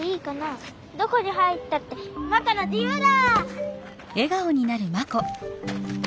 どこに入ったってマコの自ゆうだ！